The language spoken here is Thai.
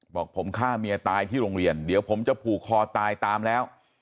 บอกผมฆ่าเมียตายที่โรงเรียนเดี๋ยวผมจะผูกคอตายตามแล้ว